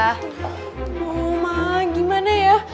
oh mamah gimana ya